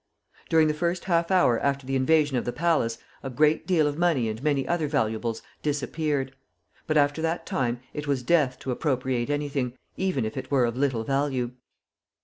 During the first half hour after the invasion of the palace a great deal of money and many other valuables disappeared; but after that time it was death to appropriate anything, even if it were of little value.